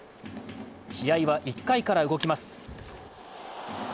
試合は１回から動きます。